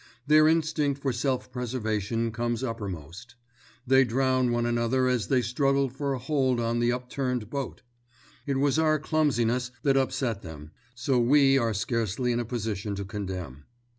Their instinct for self preservation comes uppermost. They drown one another as they struggle for a hold on the upturned boat. It was our clumsiness that upset them, so we are scarcely in a position to condemn.